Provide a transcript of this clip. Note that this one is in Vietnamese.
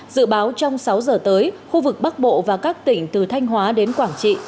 dự báo trong sáu giờ tới khu vực bắc bộ và các tỉnh từ thanh hóa đến quảng trị